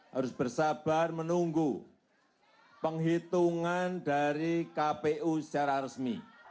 harus bersabar menunggu penghitungan dari kpu secara resmi